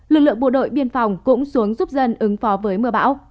lực lượng bộ đội biên phòng cũng xuống giúp dân ứng phó với mưa bão